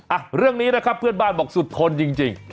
อ่ะเรื่องนี้นะครับเพื่อนบ้านบอกสุดทนจริง